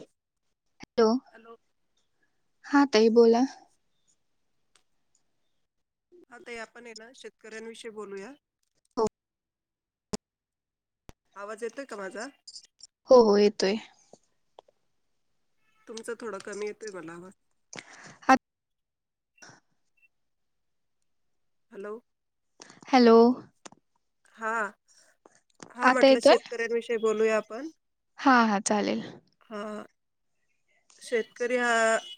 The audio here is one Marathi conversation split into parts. हॅलो, हॅलो हा ताई बोला. हा ताई आपण ये ना शेतकऱ्यांविषयी बोलूया आवाज येतोय का माझा? हो हो येतोय. तुमचं थोडं कमी येतोय मला आवाज हात हॅलो. हॅलो. हा, हा आता म्हटलं येतोय शेतकऱ्यांविषयी बोलूया आपण हा हा चालेल. हा शेतकरी हा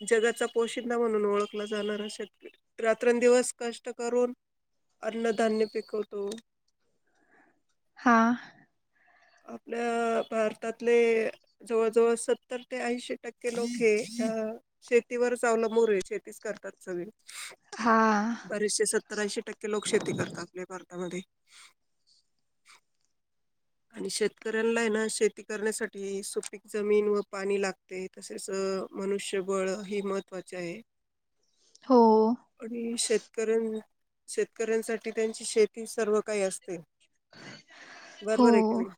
जगाचा पोशिंदा म्हणून ओळखला जाणारा शेतक [inaudible] रात्रंदिवस कष्ट करून अन्नधान्य पिकवतो. हा. आपल्या भारतातले जवळजवळ सत्तर ते ऐंशी टक्के लोक हे अ शेतीवर अवलंमूर ये, शेतीच करतात सगळी हा बरेसे सत्तर ऐंशी टक्के लोक शेती करता आपल्या भारतामध्ये आणि शेतकऱ्यांलाय ना शेती करण्यासाठी सुपीक जमीन व पाणी लागते तसेच अ अ मनुष्यबळ ही महत्वाचे आहे. हो आणि शेतकऱ्यां शेतकऱ्यांसाठी त्यांची शेती सर्व काही असते. हो बरबर आये की नाही?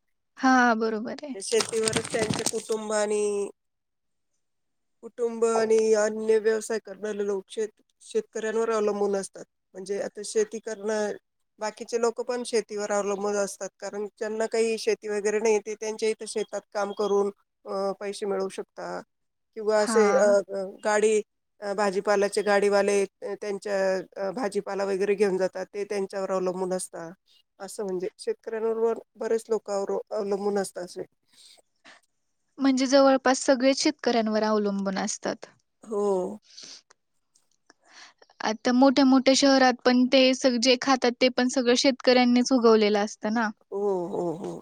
हा बरोबर आहे त्या शेतीवरच त्यांच्या कुटुंबानी कुटुंब आणि अन्य व्यवसाय करणारे लोक शेत शेतकऱ्यांवर अवलंबून असतात म्हणजे [unintelligible] आता शेती करणं, बाकीचे लोक पण शेतीवर अवलंबून असतात. कारण ज्यांना काही शेती वगैरे नाही, ते त्यांच्या हित शेतात काम करून अ पैसे मिळू शकता किंवा हा असे अ [unintelligible] गाडी अ भाजीपालाचे गाडीवाले य त्यांच्या अ भाजीपाला वगैरे घेऊन जातात, ते त्यांच्याव अवलंबून असता, अस म्हणजे शेत कऱ्यांवर बन बरेच लोक अवर अवलंबून असता असे म्हणजे जवळपास सगळे शेतकऱ्यांवर अवलंबून असतात. हो. आता मोठ्या मोठ्या शहरात पण ते सग, जे खातात ते पण सगळं शेतकऱ्यांनीच उगवलेलं अस ओ हो हो.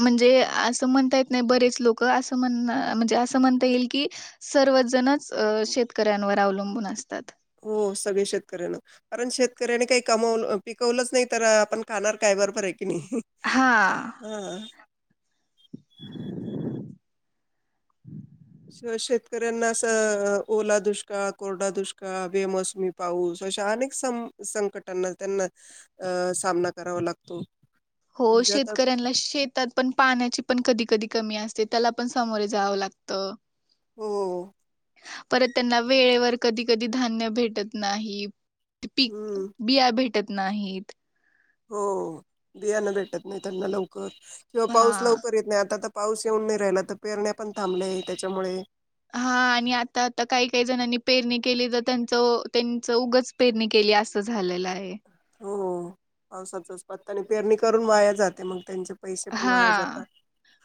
म्हणजे असं म्हणता येत नाही बरेच लोक अस म्हणा म्हणजे असं म्हणता येईल की सर्वज जणच अ शेतकऱ्यांवर अवलंबून असतात. हो सगळे शेतकऱ्यांना कारण शेतकऱ्यांनी काही कमवल अ पिकवलंच नाही तर आपण खाणार काय बरबर आय कणी हा हा शेतकऱ्यांना असं ओला दुष्काळ कोरडा दुष्काळ बेमोसमी पाऊस अशा अनेक संक संकटांना त्यांना सामना करावा लागतो. हो म्हणजे आता शेतकऱ्यांना शेतात पण पाण्याची पण कधी कधी कमी असते त्याला पण समोरे जावं लागत. हो. परत त्यांना वेळेवर कधी कधी धान्य भेटत नाही. पीक हं. बिया भेटत नाहीत. हो बियाना भेटत नाही त्यांना लवकर किंवा पाऊस हा. लवकर येत नाही आता तर पाऊस येऊन नाही राहिला, तर पेरण्या पण थांबले त्याच्यामुळे हा आणि आता आता काही काही जणांनी पेरणी केली तर त्यांचं त्यांच उगच पेरणी केली, असं झालेलं आहे. हो पावसाचाच पत्ता नाई आणि पेरणी करून वाया जाते मग त्यांच्या हा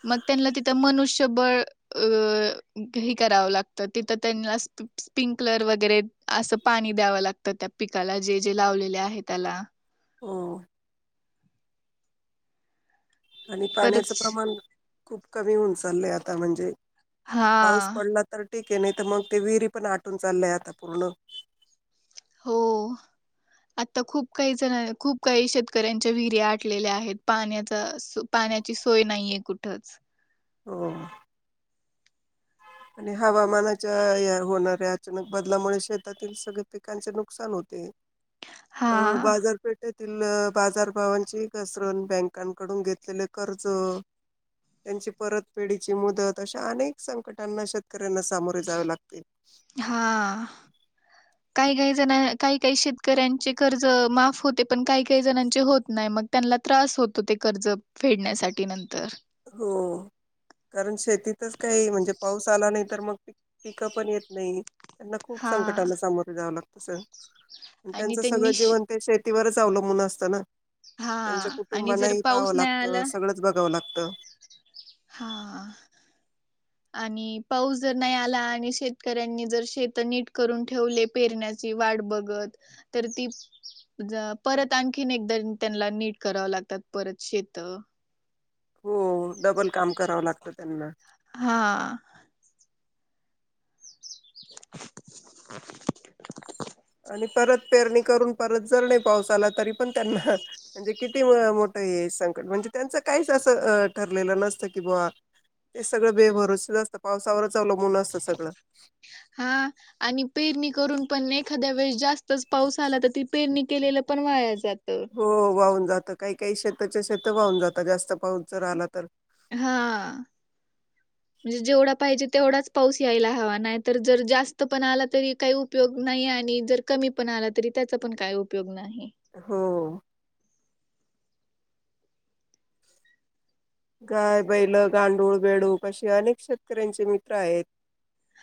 मग त्यांना तिथं मनुष्यबळ अ करावं लागत तिथ त्यांना स्पिंकलर वगैरे अस पाणी द्यावं लागतं त्या पिकाला जे जे लावलेले आहे त्याला हो. आणि पाण्याचं परत प्रमाण खूप कमी होऊन चाललंय आता म्हणजे. पाऊस हा, पडला तर ठीक आहे नाही, तर मग ते विहिरी पण आटून चाललंय आता पूर्ण. हो. आता खूप काही जण खूप काही शेतकऱ्यांच्या विहिरी आटलेल्या आहेत पाण्याची सोय नाहीये कुठ हो. आणि हवामानाच्या होणाऱ्या अचानक बदलामुळे शेतातील सगळे पिकांचे नुकसान होते. अ हां, बाजारपेठेत बाजारभवांची घसरण बँकांकडून घेतलेले कर्ज त्यांची परत फेढीची मुदत अशा अनेक संकट ना शेतकऱ्यांना सामोरे जावे लागते. काही काही जण काही काही शेतकऱ्यांचे कर्ज माफ होते, पण काही काही जणांचे होत नाही मग त्यांना ला त्रास होतो ते कर्ज फेडण्यासाठी नंतर. हो. कारण शेतीतच काही म्हणजे पाऊस आला नाही तर मग पिकं पण येत नाही. त्यांना खूप हां संकटांना सामोरे जा्यावं लागतं सर आणि त्यांचं सगळं त्यांनी श जीवन ते च शेतीवरच अवलंबून असतं ना, त्यांचं हां आणि जर कुटुंबाांनाही पाऊस पाहाव नाही लागतं सगळंच बघावं लागतं. हा. आणि पाऊस जर नाही आला आणि शेतकऱ्यांनी जर शेत नीट करून ठेवले पेरण्या ची वाट बघत तर ती परत आणखीन एकदा त्यांला नीट करावं लागतात परत शेत. हो डबल काम करावं लागतं त्यांना. हा. [inaudible] परत पेरणी करून परत जर नाही पाऊस आला तरी पण त्यांना म्हणजे किती मोठं हे येस संकट म्हणजे त्यांच काहीच असं ठरलेलं नसतं की बुवा ते सगळं बेभरोस अस्तं पावसावरच अवलंबून असतं सगळं हा आणि पेरणी करून पण एखाद्या वेळी जास्तच पाऊस आला तर ती पेरणी केलेलं पण वाया जात. हो वाहून जात काही काही शेताच्या शेत वाहून जातात, जास्त पाऊस जर आला तर. हा. [inaudible] म्हणजे जेवढा पाहिजे तेवढाच पाऊस यायला हवा नाही तर जर जास्त पण आला तरी काही उपयोग नाही आहे. आणि जर कमी पण आला तरी त्याचा पण काय उपयोग नाही. हो. गाय, बैल, गांडूळ, बेडूक असे अनेक शेतकऱ्यांचे मित्र आहेत.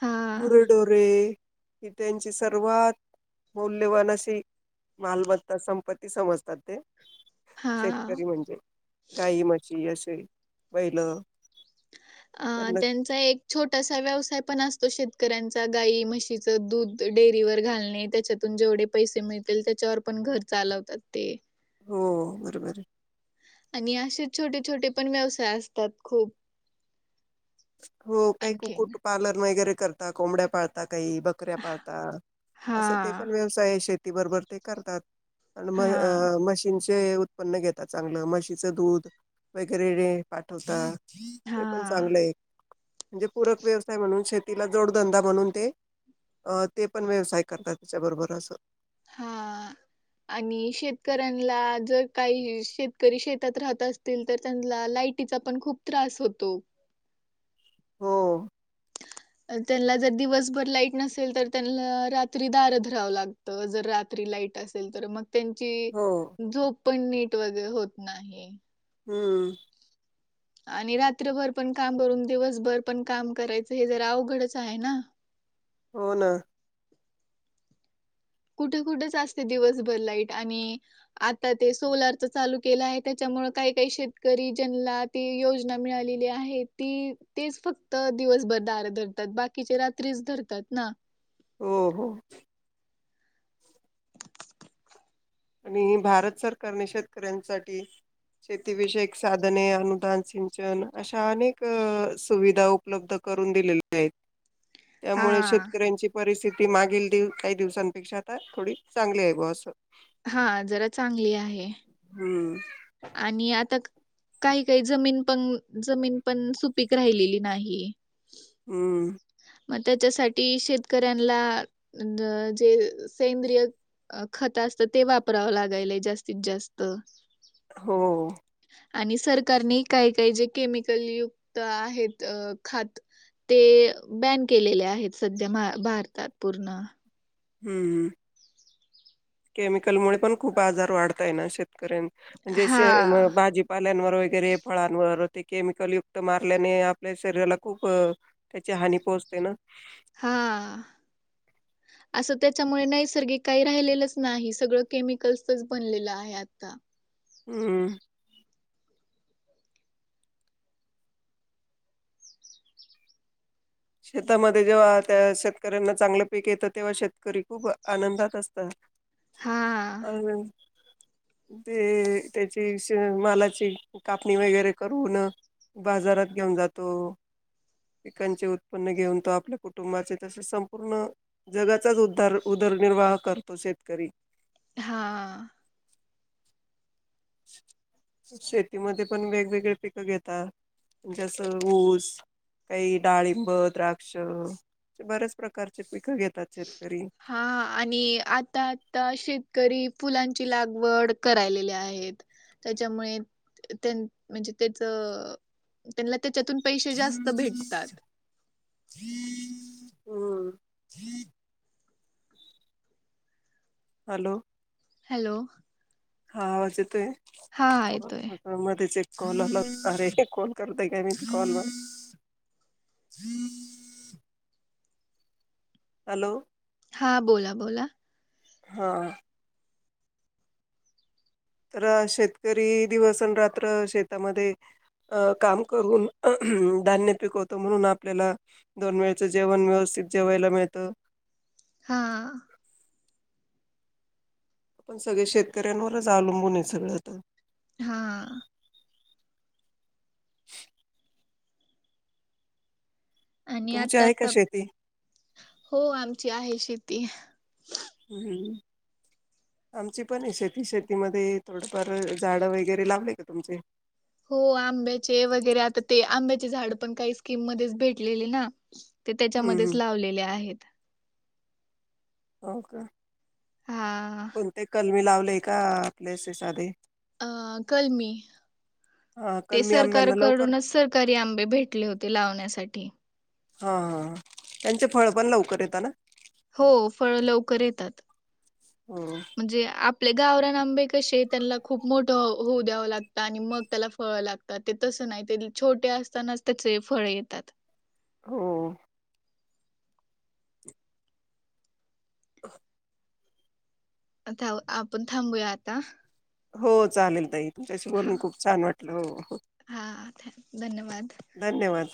हा गुरडोरे ही त्यांचे सर्वात मौल्यवान अशी मालमत्ता संपत्ती समजतात ते. हा शेतकरी म्हणजे. गाई, म्हशी असे बैल अ यांना त्यांचा एक छो टसा व्यवसाय पण असतो शेतकऱ्यांचा गाई म्हशीच दूध डेअरीवर घालणे त्याच्यातून जे वढे पैसे मिळतील त्याच्यावर पण घर चालवतात ते. हो बरोबरे. आणि असे छोटे छोटे पण व्यवसाय असतात खूप. हो काही आणखीन. कुकुट पालन वगैरे करता, कोंबड्या पाळता, काही बकऱ्या पाळता असं ते हां, पण व्यवसाय शेती बरबर ते करतात. आण म हां, अ म्हशीनची जे उत्पन्न घेतात चांगलं म्हशीचं दूध वगैरे पाठवता. ते पण हां. चांगलंये. म्हणजे पूरक व्यवसाय म्हणून शेतीला जोडधंदा म्हणून ते अ ते पण व्यवसाय करतात त्याच्याबरोबर असं. हा. आणि शेतकऱ्यांना जर काही शेतकरी शेतात राहत असतील तर त्यांला लाटीचा पण खूप त्रास होतो. हो. त्यांला जर दिवसभर लाईट नसेल तर त्यांना रात्री धार धरावं लागतं जर रात्री लाईट असेल तर मग त्यांची हो झोप पण नीट वगैरे होत नाही. हम्म. आणि रात्रभर पण काम करुन दिवसभर पण काम करायचं हे जरा अवघडच आहे ना. हो ना. कुठे कुठेच असते दिवसभर लाईट आणि आता ते सोलारच चालू केलं आहे त्याच्या मुळ काही-काही शेतकरी ज्यांला ती योजना मिळालेली आहे ती तेच फक्त दिवस दिवसभर धार धरतात बाकीचे रात्रीच धरतात ना. हो हो. आणि भारत सरकारने शेतकऱ्यांसाठी शेतीविषयक साधने, अनुदान, सिंचन अशा अनेक सुविधा उपलब्ध करून दिलेल्या आहेत त्यामुळे हां, शेतकऱ्यांची परिथिती त मागील दी काही दिवसांपेक्षा आता थोडी चांगली आहे बा असं. हा जरा चांगली आहे हम्म आणि आता काही काही जमीन पण जमीन पण सुपीक राहिलेली नाही हम्म मग त्याच्यासाठी शेतकऱ्यांला जे सेंद्रिय अ खत असत ते वापरावं लागायलाय जास्तीत जास्त हो आणि सरकारने काही काही जे केमिकल युक्त आहेत खात ते बॅन केलेले आहेत सध्या भारतात पूर्ण हम्म हम केमिकल मु पण खूप आजार वाढताय ना शेतकऱ्यां म्हणजे हा. भाजीपाल्यांवर वगैरे फळांवर ते केमिकल युक्त मारल्याने आपल्या शरीराला खूप त्याची हानी पोहोचते ना हा. असं त्याच्यामुळे नैसर्गिक काही राहिलेलंच नाही सगळं केमिकल्सच बनलेलं आहे आता हम्म शेतामध्ये जेव्हा त्या शेतकऱ्यांना चांगलं पीक येतं तेव्हा शेतकरी खूप आनंदात असतात हा. [unintelligible] ते त्याची मालाची कापणी वगैरे करून बाजारात घेऊन जातो. पिकांचे उ त्पन्न घेऊन तो आपल्या कुटुंबाचे तसेच संपूर्ण जगाचाच उद्दार उदरनिर्वाह करतो शे शेतकरी. हा. शेतीमध्येपण वेगवेगळे पिकं घेतात. जसं ऊस काही डाळिंब, द्राक्ष बर्याच प्रकारचे पी हा आणि आता आता शेतकरी फुलांची लागवड करायलेली आहेत. त्याच्यामुळे त्यां म्हणजे त्यांचं त्यांना त्याच्यातून पैसे जास्त भेटतात. हं. हॅलो. हॅलो. हा आवाज येतोय, हा येतोय आता मध्येच कॉल आला. अरे कोण करतंय का मिसकॉल वर ह् हॅलो. हां बोला बोला. हा. तर शेतकरी दिवस आणि रात्र शेतामध्ये अ काम करून धान्य पिकवतो, म्हणून आपल्याला दोन वेळचं जेवण व्यवस् थित जेवायला मिळतं. हा. आपण सगळे शेतकऱ्यांवरच अवलंबून आहे, सगळं आता हा. [inaudible] आणि तुमची आता आहे का आता शेती? हो, आमची आहे शेती. हम्म. आमची पण आहे शेती, शेतीमध्ये थोडंफार झाडं वगैरे लावले का तुमचे? हो आंब्याचे वगैरे आता ते आंब्याचे झाडंपण काही स्कीम मध्येच भेटलेले ना. ते हम्म त्याच्यामध्येच हम्म लावलेले आहेत. हो का? हा कोणते कलमी लावलेय का, आपले असे साधे? अह कलमी. हा ते कलमी आंब्यांना लवकर सरकारकडूनच सरकारी आंबे भेटले होते, लावण्यासाठी. हा हा, त्यांचे फळपण लवकर येतं ना? कर येतात. हो म्हणे आप ते गावरान आंबे कसे त्यांना खूप मोठं होऊ द्यावं लागतं आणि मग त्याला फळं लागतात. ते तसं सं नाय, ते छोटे असतानाच त्याचे फळ येतात. हो. [inaudible] आता आपण थांबूया आता. हो चालेल ताई, तुमच्याशी हा बोलून खूप छान वाटलं हो. हा, धन्यवाद. धन्यवाद.